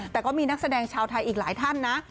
แต่ก็มีนักแสดงชาวไทยอีกหลายท่านนะ